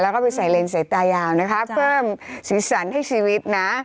แล้วก็ไปใส่เลนใส่ตายาวนะคะเพิ่มสีสันให้ชีวิตนะ